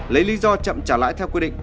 lấy lý do chậm trả lãi theo quy định